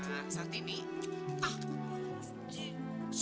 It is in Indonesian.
agak ada nilai